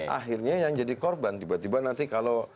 akhirnya yang jadi korban tiba tiba nanti kalau